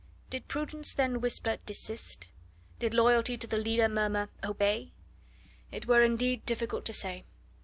Did prudence then whisper, "Desist"? Did loyalty to the leader murmur, "Obey"? It were indeed difficult to say.